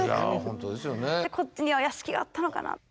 でこっちには屋敷があったのかな。